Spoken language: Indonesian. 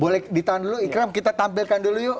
boleh ditahan dulu ikram kita tampilkan dulu yuk